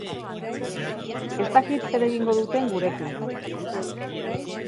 Ez dakit zer egingo duten gurekin.